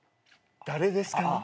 誰ですか？